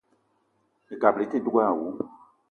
Ekabili i te dug èè àwu